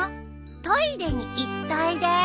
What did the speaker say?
トイレに行っといれ！